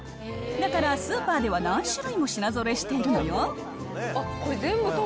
だからスーパーでは何種類も品ぞろえしているのよ。